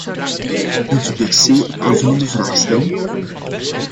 Wilt u per se een aanvullende vraag stellen?